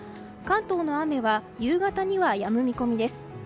関東の雨は夕方にはやむ見込みです。